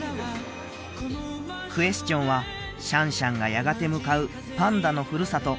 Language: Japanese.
クエスチョンはシャンシャンがやがて向かうパンダのふるさと